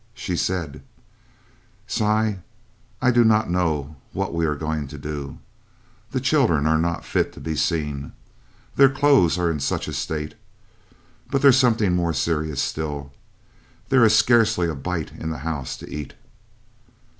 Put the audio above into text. She said: "Si, I do not know what we are going to do. The children are not fit to be seen, their clothes are in such a state. But there's something more serious still. There is scarcely a bite in the house to eat."